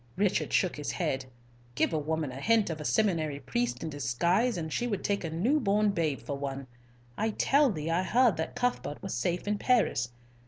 Richard shook his head. "Give a woman a hint of a seminary priest in disguise, and she would take a new born baby for one. I tell thee I heard that Cuthbert was safe in Paris.